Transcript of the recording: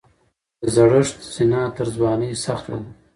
د زړښت زینه تر ځوانۍ سخته ده.